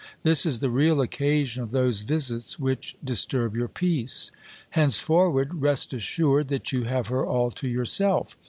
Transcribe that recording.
This is the real occasion of those visits which disturb your peace. Henceforward, rest assured that you have her all to your self.